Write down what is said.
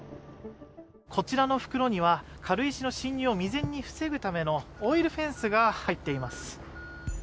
こちらの袋には軽石の侵入を未然に防ぐためのオイルフェンスが入っています。